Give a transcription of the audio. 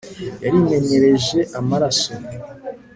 yarimenyereje amaraso